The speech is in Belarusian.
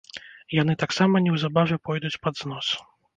Яны таксама неўзабаве пойдуць пад знос.